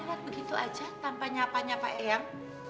kau lewat begitu aja tanpa nyapa nyapa eang